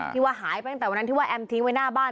ที่ว่าหายไปตั้งแต่วันนั้นที่ว่าแอมทิ้งไว้หน้าบ้าน